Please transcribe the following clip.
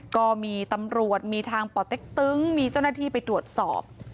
ก็มีตำรวจมีทางป่อเต็กตึงมีเจ้าหน้าที่ไปตรวจสอบ